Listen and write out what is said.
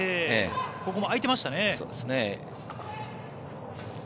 ここも空いてましたね。